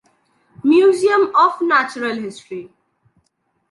Museum of Natural History.